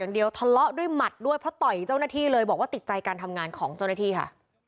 เดียวทะเลาะด้วยหมัดด้วยเพราะต่อยเจ้าหน้าที่เลยบอกว่าติดใจการทำงานของเจ้าหน้าที่ค่ะ